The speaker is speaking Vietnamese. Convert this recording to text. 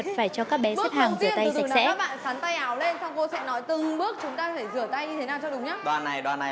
dạ cháu chắc là cháu phải bế hai lần đấy